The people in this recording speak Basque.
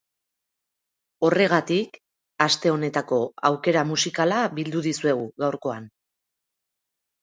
Horregatik, aste honetako aukera musikala bildu dizuegu, gaurkoan.